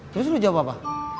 terus lo jawab apa